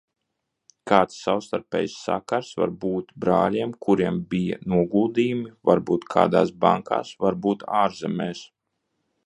Kāds savstarpējs sakars var būt brāļiem, kuriem bija noguldījumi varbūt kādās bankās, varbūt ārzemēs?